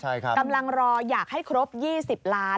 ใช่ครับกำลังรออยากให้ครบ๒๐ล้าน